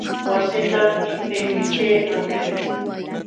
Wassitam qishpiqćhii qanyan.